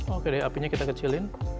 oke deh apinya kita kecilin